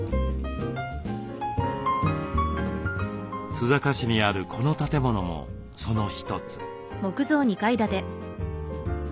須坂市にあるこの建物もその一つ。